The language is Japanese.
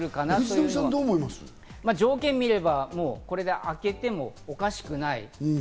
条件を見れば明けてもおかしくない。